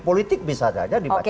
politik bisa saja dibaca